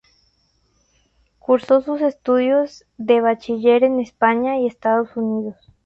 Cursó sus estudios de bachiller en España y Estados Unidos.